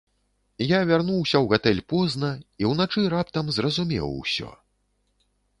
Я вярнуўся ў гатэль позна, і ўначы раптам зразумеў усё.